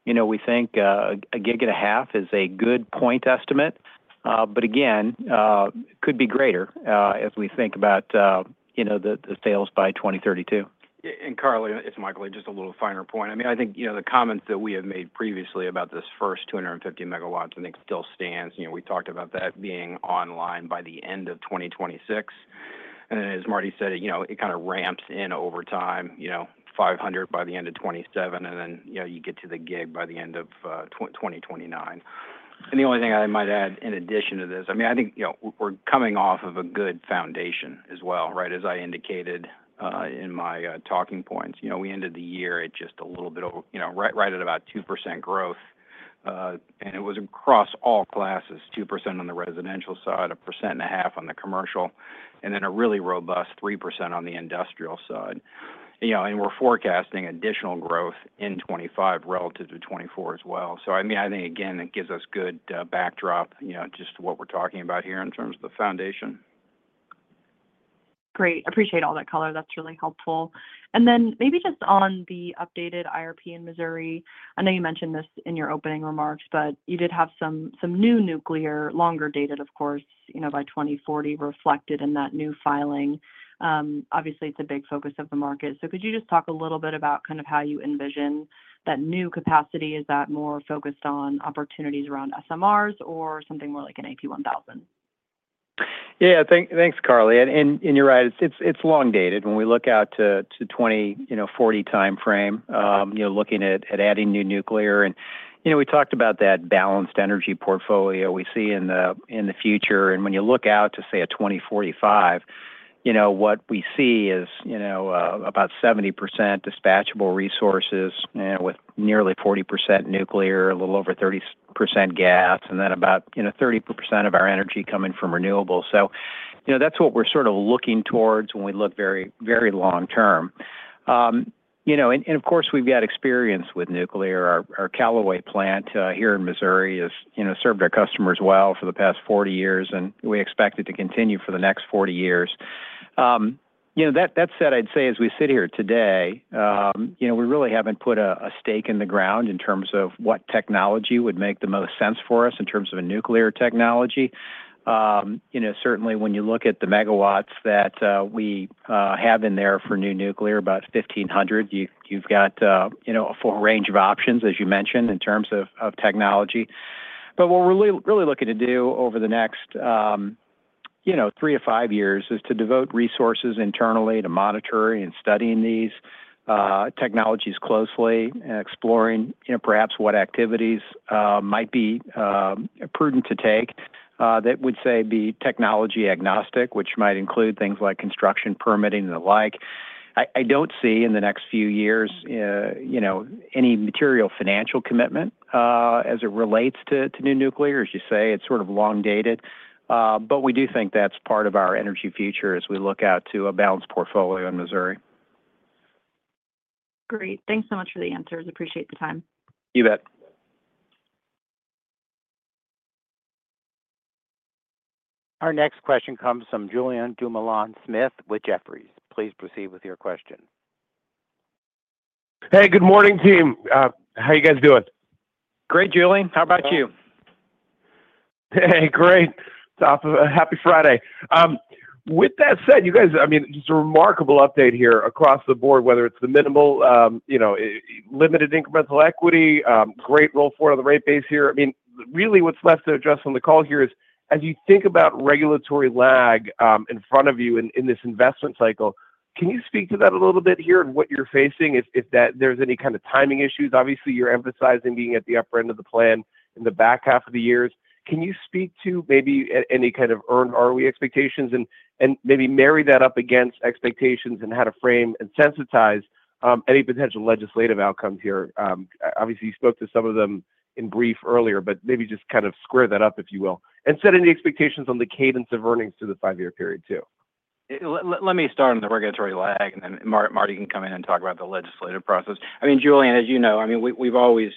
We think a gig and a half is a good point estimate. But again, it could be greater as we think about the sales by 2032. Carly, it's Michael, just a little finer point. I mean, I think the comments that we have made previously about this first 250 MW, I think still stands. We talked about that being online by the end of 2026. As Marty said, it kind of ramps in over time, 500 MW by the end of 2027, and then you get to the 1 GW by the end of 2029. The only thing I might add in addition to this, I mean, I think we're coming off of a good foundation as well, right? As I indicated in my talking points, we ended the year at just a little bit right at about 2% growth. It was across all classes, 2% on the residential side, 1.5% on the commercial, and then a really robust 3% on the industrial side. And we're forecasting additional growth in 2025 relative to 2024 as well. So I mean, I think, again, it gives us good backdrop just to what we're talking about here in terms of the foundation. Great. Appreciate all that color. That's really helpful. And then maybe just on the updated IRP in Missouri, I know you mentioned this in your opening remarks, but you did have some new nuclear, longer dated, of course, by 2040 reflected in that new filing. Obviously, it's a big focus of the market. So could you just talk a little bit about kind of how you envision that new capacity? Is that more focused on opportunities around SMRs or something more like an AP1000? Yeah. Thanks, Carly. And you're right. It's long-dated when we look out to 2040 timeframe, looking at adding new nuclear. And we talked about that balanced energy portfolio we see in the future. And when you look out to, say, 2045, what we see is about 70% dispatchable resources with nearly 40% nuclear, a little over 30% gas, and then about 30% of our energy coming from renewables. So that's what we're sort of looking towards when we look very long-term. And of course, we've got experience with nuclear. Our Callaway plant here in Missouri has served our customers well for the past 40 years, and we expect it to continue for the next 40 years. That said, I'd say as we sit here today, we really haven't put a stake in the ground in terms of what technology would make the most sense for us in terms of a nuclear technology. Certainly, when you look at the megawatts that we have in there for new nuclear, about 1,500, you've got a full range of options, as you mentioned, in terms of technology. But what we're really looking to do over the next three to five years is to devote resources internally to monitoring and studying these technologies closely and exploring perhaps what activities might be prudent to take that would, say, be technology agnostic, which might include things like construction permitting and the like. I don't see in the next few years any material financial commitment as it relates to new nuclear. As you say, it's sort of long-dated. But we do think that's part of our energy future as we look out to a balanced portfolio in Missouri. Great. Thanks so much for the answers. Appreciate the time. You bet. Our next question comes from Julien Dumoulin-Smith with Jefferies. Please proceed with your question. Hey, good morning, team. How are you guys doing? Great, Julien. How about you? Hey, great. Happy Friday. With that said, you guys, I mean, it's a remarkable update here across the board, whether it's the minimal, limited incremental equity, great roll forward on the rate base here. I mean, really what's left to address on the call here is, as you think about regulatory lag in front of you in this investment cycle, can you speak to that a little bit here and what you're facing? If there's any kind of timing issues, obviously, you're emphasizing being at the upper end of the plan in the back half of the years. Can you speak to maybe any kind of earned ROE expectations and maybe marry that up against expectations and how to frame and sensitize any potential legislative outcomes here? Obviously, you spoke to some of them in brief earlier, but maybe just kind of square that up, if you will, and set any expectations on the cadence of earnings through the five-year period too. Let me start on the regulatory lag, and then Marty can come in and talk about the legislative process. I mean, Julien, as you know, I mean, we've always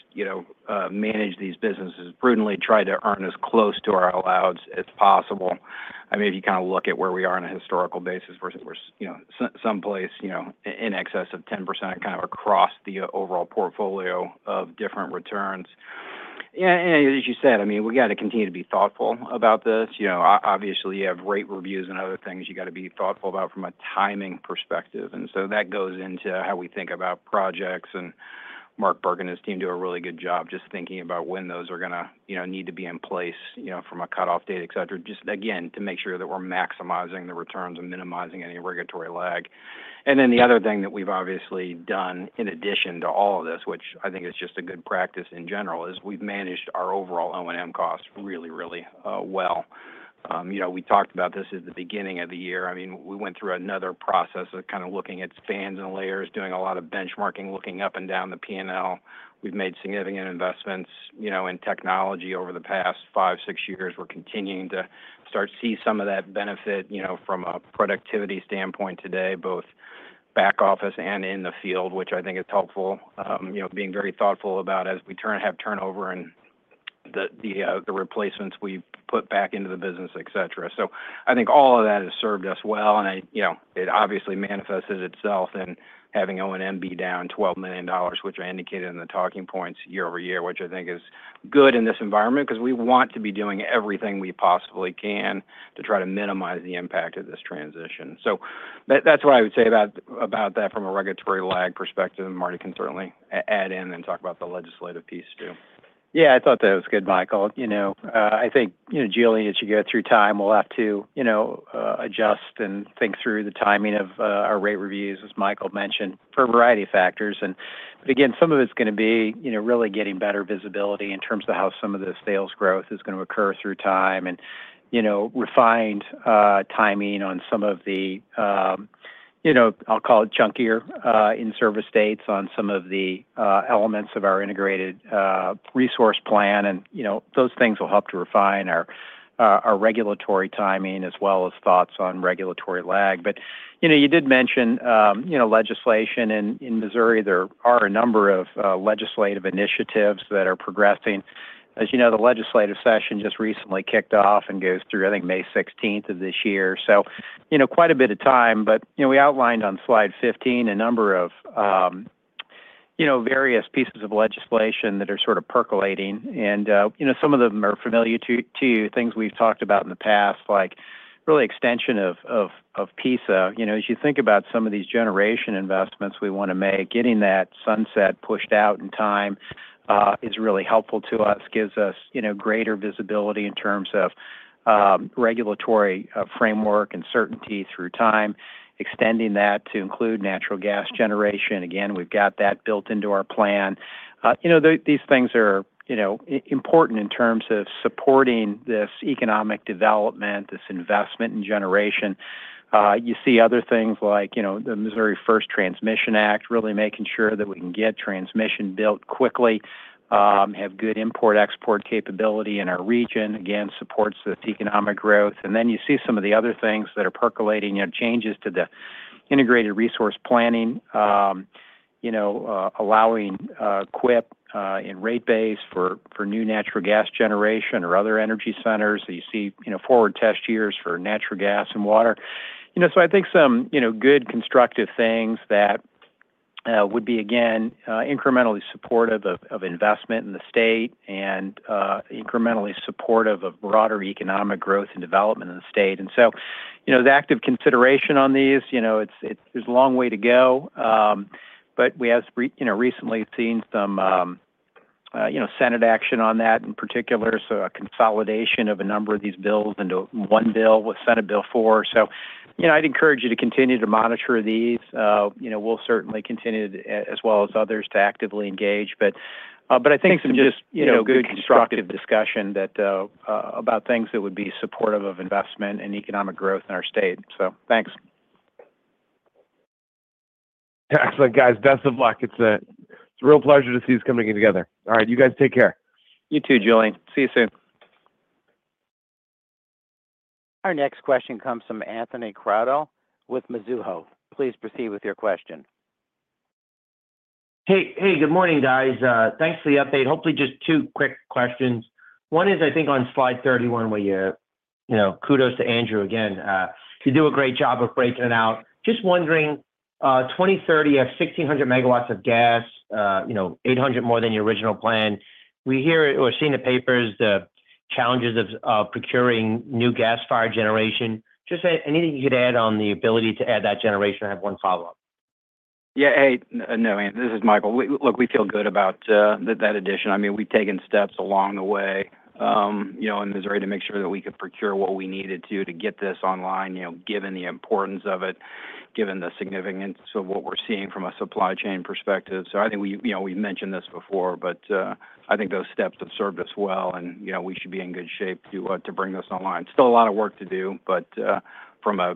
managed these businesses prudently, tried to earn as close to our allowance as possible. I mean, if you kind of look at where we are on a historical basis, we're someplace in excess of 10% kind of across the overall portfolio of different returns, and as you said, I mean, we got to continue to be thoughtful about this. Obviously, you have rate reviews and other things you got to be thoughtful about from a timing perspective. And so that goes into how we think about projects. And Mark Birk and his team do a really good job just thinking about when those are going to need to be in place from a cutoff date, etc., just again, to make sure that we're maximizing the returns and minimizing any regulatory lag. And then the other thing that we've obviously done, in addition to all of this, which I think is just a good practice in general, is we've managed our overall O&M costs really, really well. We talked about this at the beginning of the year. I mean, we went through another process of kind of looking at spans and layers, doing a lot of benchmarking, looking up and down the P&L. We've made significant investments in technology over the past five, six years. We're continuing to start to see some of that benefit from a productivity standpoint today, both back office and in the field, which I think is helpful, being very thoughtful about as we have turnover and the replacements we put back into the business, etc. So I think all of that has served us well. And it obviously manifested itself in having O&M be down $12 million, which I indicated in the talking points year over year, which I think is good in this environment because we want to be doing everything we possibly can to try to minimize the impact of this transition. So that's what I would say about that from a regulatory lag perspective. And Marty can certainly add in and talk about the legislative piece too. Yeah, I thought that was good, Michael. I think, Julien, as you go through time, we'll have to adjust and think through the timing of our rate reviews, as Michael mentioned, for a variety of factors. And again, some of it's going to be really getting better visibility in terms of how some of the sales growth is going to occur through time and refined timing on some of the, I'll call it, junkier in-service states on some of the elements of our integrated resource plan. And those things will help to refine our regulatory timing as well as thoughts on regulatory lag. But you did mention legislation in Missouri. There are a number of legislative initiatives that are progressing. As you know, the legislative session just recently kicked off and goes through, I think, May 16th of this year. So quite a bit of time. But we outlined on slide 15 a number of various pieces of legislation that are sort of percolating. And some of them are familiar to you, things we've talked about in the past, like really extension of PISA. As you think about some of these generation investments we want to make, getting that sunset pushed out in time is really helpful to us, gives us greater visibility in terms of regulatory framework and certainty through time, extending that to include natural gas generation. Again, we've got that built into our plan. These things are important in terms of supporting this economic development, this investment in generation. You see other things like the Missouri First Transmission Act, really making sure that we can get transmission built quickly, have good import-export capability in our region, again, supports this economic growth. And then you see some of the other things that are percolating, changes to the integrated resource planning, allowing QIP and rate base for new natural gas generation or other energy centers. You see forward test years for natural gas and water. So I think some good constructive things that would be, again, incrementally supportive of investment in the state and incrementally supportive of broader economic growth and development in the state. And so the active consideration on these, there's a long way to go. But we have recently seen some Senate action on that in particular, so a consolidation of a number of these bills into one bill with Senate Bill 4. So I'd encourage you to continue to monitor these. We'll certainly continue, as well as others, to actively engage. But I think some just good constructive discussion about things that would be supportive of investment and economic growth in our state. So thanks. Excellent, guys. Best of luck. It's a real pleasure to see us coming together. All right. You guys take care. You too, Julian. See you soon. Our next question comes from Anthony Crowdell with Mizuho. Please proceed with your question. Hey, good morning, guys. Thanks for the update. Hopefully, just two quick questions. One is, I think on slide 31, where you kudos to Andrew again. You do a great job of breaking it out. Just wondering, 2030, you have 1,600 megawatts of gas, 800 more than your original plan. We hear or see in the papers the challenges of procuring new gas fired generation. Just anything you could add on the ability to add that generation? I have one follow-up. Yeah. Hey, no, this is Michael. Look, we feel good about that addition. I mean, we've taken steps along the way in Missouri to make sure that we could procure what we needed to get this online, given the importance of it, given the significance of what we're seeing from a supply chain perspective. So I think we've mentioned this before, but I think those steps have served us well, and we should be in good shape to bring this online. Still a lot of work to do, but from a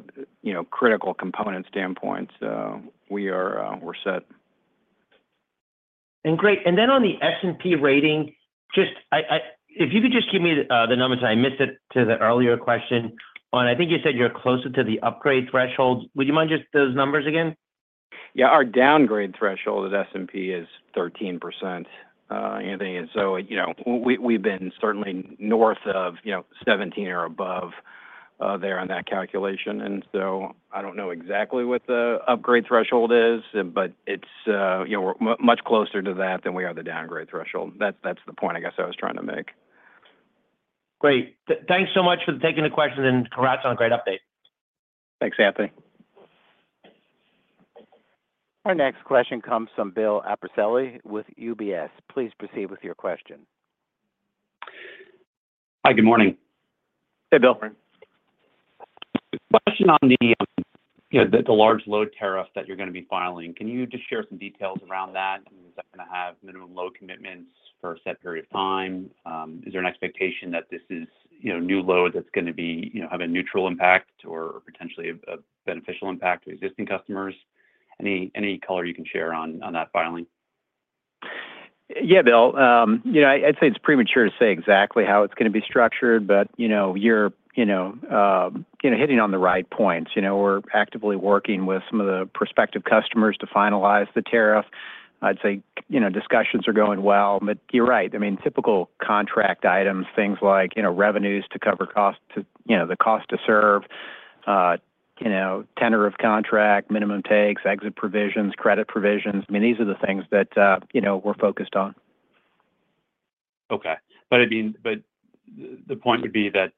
critical component standpoint, we're set. And great. And then on the S&P rating, if you could just give me the numbers I missed it to the earlier question. I think you said you're closer to the upgrade threshold. Would you mind just those numbers again? Yeah. Our downgrade threshold at S&P is 13%. And so we've been certainly north of 17 or above there on that calculation. And so I don't know exactly what the upgrade threshold is, but we're much closer to that than we are the downgrade threshold. That's the point, I guess, I was trying to make. Great. Thanks so much for taking the question, and congrats on a great update. Thanks, Anthony. Our next question comes from Bill Appicello with UBS. Please proceed with your question. Hi, good morning. Hey, Bill. Question on the large load tariff that you're going to be filing. Can you just share some details around that? Is that going to have minimum load commitments for a set period of time? Is there an expectation that this is new load that's going to have a neutral impact or potentially a beneficial impact to existing customers? Any color you can share on that filing? Yeah, Bill. I'd say it's premature to say exactly how it's going to be structured, but you're hitting on the right points. We're actively working with some of the prospective customers to finalize the tariff. I'd say discussions are going well. But you're right. I mean, typical contract items, things like revenues to cover the cost to serve, tenor of contract, minimum takes, exit provisions, credit provisions. I mean, these are the things that we're focused on. Okay. But the point would be that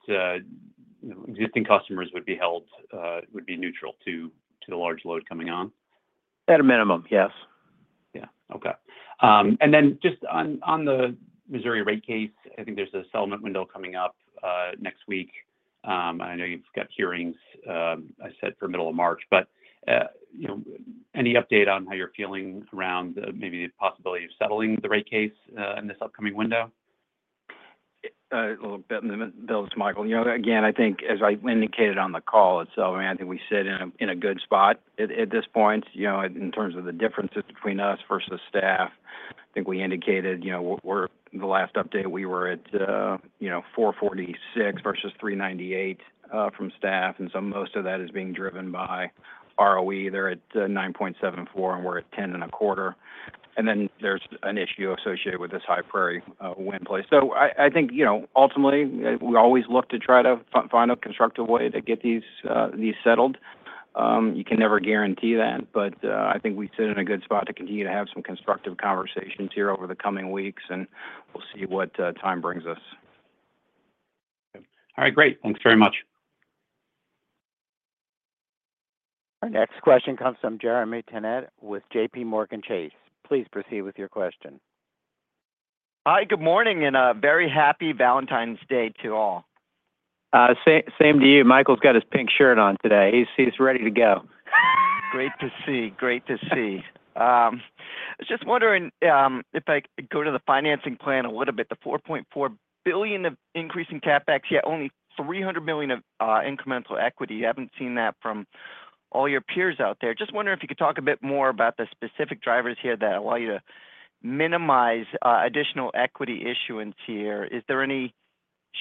existing customers would be held, would be neutral to the large load coming on? At a minimum, yes. Yeah. Okay. And then just on the Missouri rate case, I think there's a settlement window coming up next week. I know you've got hearings, I said, for the middle of March. But any update on how you're feeling around maybe the possibility of settling the rate case in this upcoming window? A little bit in the middle, Michael. Again, I think, as I indicated on the call itself, I mean, I think we sit in a good spot at this point in terms of the differences between us versus staff. I think we indicated the last update, we were at 446 versus 398 from staff. And so most of that is being driven by ROE. They're at 9.74%, and we're at 10.25%. And then there's an issue associated with this High Prairie wind place. So I think ultimately, we always look to try to find a constructive way to get these settled. You can never guarantee that. But I think we sit in a good spot to continue to have some constructive conversations here over the coming weeks, and we'll see what time brings us. All right. Great. Thanks very much. Our next question comes from Jeremy Tonet with J.P. Morgan. Please proceed with your question. Hi, good morning, and a very happy Valentine's Day to all. Same to you. Michael's got his pink shirt on today. He's ready to go. Great to see. Great to see. Just wondering if I go to the financing plan a little bit. The $4.4 billion of increasing CapEx, yet only $300 million of incremental equity. You haven't seen that from all your peers out there. Just wondering if you could talk a bit more about the specific drivers here that allow you to minimize additional equity issuance here. Is there any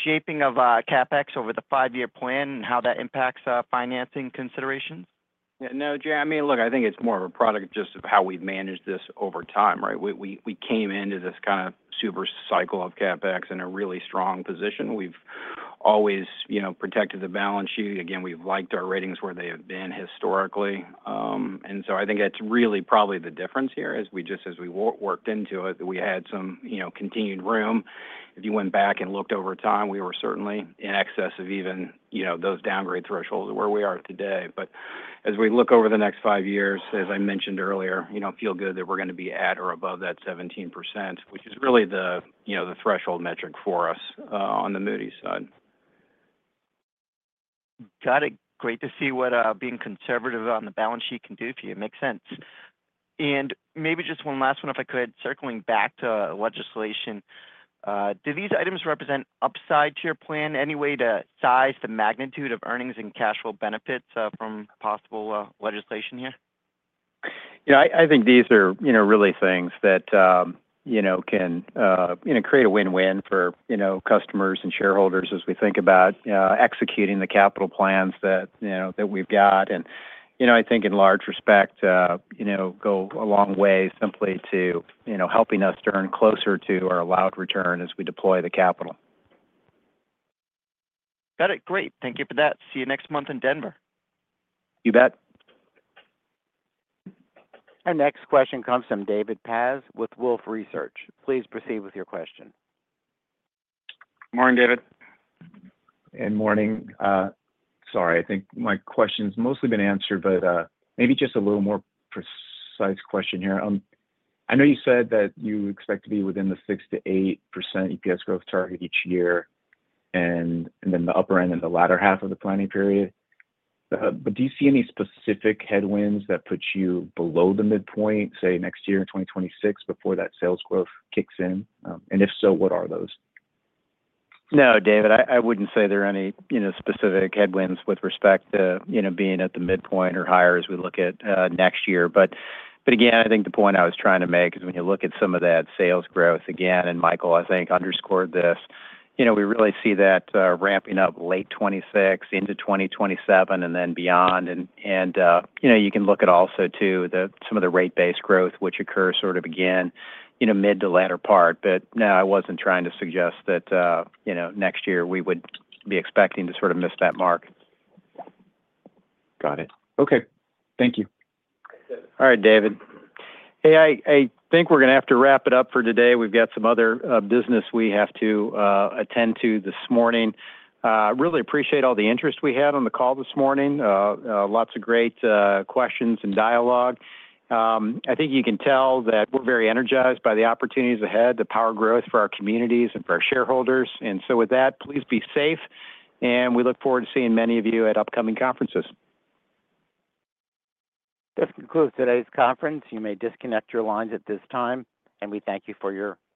shaping of CapEx over the five-year plan and how that impacts financing considerations? Yeah. No, Jeremy. Look, I think it's more of a product of just how we've managed this over time, right? We came into this kind of super cycle of CapEx in a really strong position. We've always protected the balance sheet. Again, we've liked our ratings where they have been historically. And so I think that's really probably the difference here is just as we worked into it, we had some continued room. If you went back and looked over time, we were certainly in excess of even those downgrade thresholds of where we are today. But as we look over the next five years, as I mentioned earlier, feel good that we're going to be at or above that 17%, which is really the threshold metric for us on the Moody's side. Got it. Great to see what being conservative on the balance sheet can do for you. Makes sense. And maybe just one last one, if I could. Circling back to legislation, do these items represent upside to your plan? Any way to size the magnitude of earnings and cash flow benefits from possible legislation here? Yeah. I think these are really things that can create a win-win for customers and shareholders as we think about executing the capital plans that we've got. And I think in large respect, go a long way simply to helping us turn closer to our allowed return as we deploy the capital. Got it. Great. Thank you for that. See you next month in Denver. You bet. Our next question comes from David Paz with Wolfe Research. Please proceed with your question. Morning, David. And morning. Sorry. I think my question's mostly been answered, but maybe just a little more precise question here. I know you said that you expect to be within the 6%-8% EPS growth target each year and then the upper end in the latter half of the planning period. But do you see any specific headwinds that put you below the midpoint, say, next year in 2026 before that sales growth kicks in? And if so, what are those? No, David. I wouldn't say there are any specific headwinds with respect to being at the midpoint or higher as we look at next year. But again, I think the point I was trying to make is when you look at some of that sales growth, again, and Michael, I think, underscored this, we really see that ramping up late 2026 into 2027 and then beyond. And you can look at also too some of the rate based growth, which occurs sort of again mid to latter part. But no, I wasn't trying to suggest that next year we would be expecting to sort of miss that mark. Got it. Okay. Thank you. All right, David. Hey, I think we're going to have to wrap it up for today. We've got some other business we have to attend to this morning. Really appreciate all the interest we had on the call this morning. Lots of great questions and dialogue. I think you can tell that we're very energized by the opportunities ahead, the power growth for our communities and for our shareholders. And so with that, please be safe. And we look forward to seeing many of you at upcoming conferences. This concludes today's conference. You may disconnect your lines at this time. We thank you for your participation.